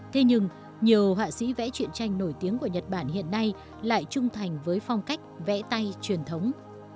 thế nhưng nhiều họa sĩ vẽ chuyện tranh nổi tiếng của nhật bản hiện nay lại trung thành với phong cách vẽ tay truyền thống